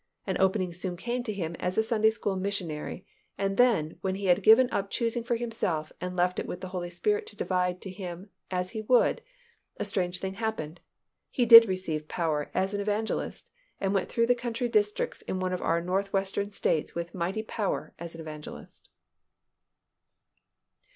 An opening soon came to him as a Sunday school missionary, and then, when he had given up choosing for himself and left it with the Holy Spirit to divide to him as He would, a strange thing happened; he did receive power as an evangelist and went through the country districts in one of our northwestern states with mighty power as an evangelist.